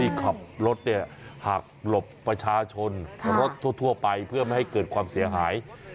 ขับรถหักหลบประชาชนรถทั่วไปเพื่อไม่ให้เกิดความเสียหาย